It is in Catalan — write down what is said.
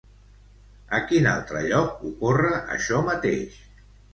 A quin altre lloc ocorre això mateix?